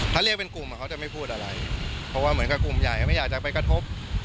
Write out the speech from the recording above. ถ้าเรียกเป็นกลุ่มเขาจะไม่พูดอะไรเพราะว่าเหมือนกับกลุ่มใหญ่ไม่อยากจะไปกระทบ